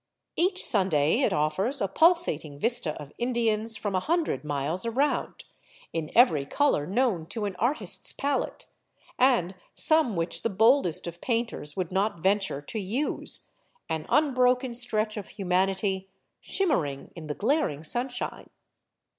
Each Sunday it offers a pulsating vista of Indians from a hundred miles around, in every color known to an artist's palette — and some which the boldest of painters would not venture to use — an unbroken stretch of humanity, shimmering in the glaring sunshine.